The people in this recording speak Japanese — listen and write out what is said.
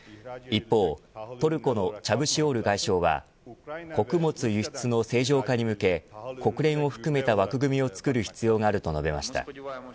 一方、トルコのチャブシオール外相は穀物輸出の正常化に向け国連を含めた枠組みを作る必要があると述べました。